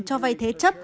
cho vay thế chất